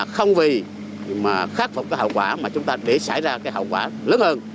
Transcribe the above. không vì khắc phục hậu quả mà chúng ta để xảy ra hậu quả lớn hơn